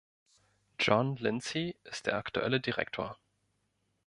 Jon Lindsay ist der aktuelle Direktor.